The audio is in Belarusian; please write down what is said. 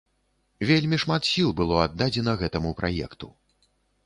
Вельмі шмат сіл было аддадзена гэтаму праекту.